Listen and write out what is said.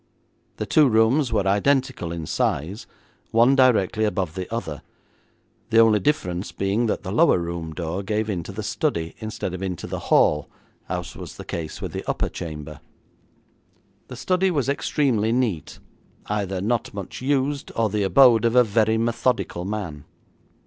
The two rooms were identical in size, one directly above the other, the only difference being that the lower room door gave into the study, instead of into the hall, as was the case with the upper chamber. The study was extremely neat, either not much used, or the abode of a very methodical man.